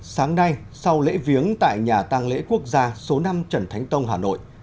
sáng nay sau lễ viếng tại nhà tàng lễ quốc gia số năm trần thánh tông hà nội